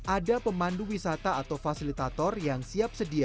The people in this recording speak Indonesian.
ada pemandu wisata atau fasilitator yang siap sedia